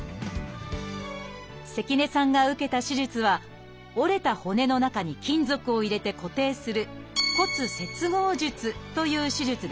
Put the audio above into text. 関根さんが受けた手術は折れた骨の中に金属を入れて固定する「骨接合術」という手術です。